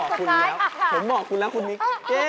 ผมบอกคุณแล้วคุณนิก